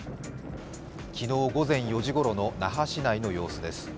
昨日午前４時ごろの那覇市内の様子です。